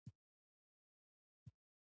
د دسترخوان ځای باید د فوارې څنګ ته وي.